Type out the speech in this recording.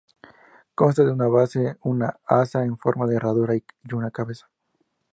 Consta de una base, un asa en forma de herradura y una cabeza.